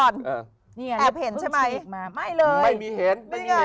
เดี๋ยวก่อนแอบเห็นใช่ไหมไม่เลยไม่มีเห็นไม่มีเห็น